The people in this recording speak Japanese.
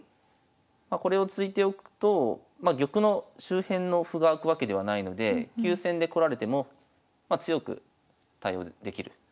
これを突いておくと玉の周辺の歩が開くわけではないので急戦でこられてもまあ強く対応できる。